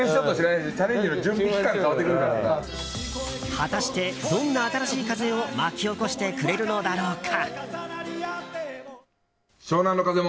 果たして、どんな新しい風を巻き起こしてくれるのだろうか。